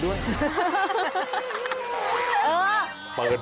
สวยเนาะ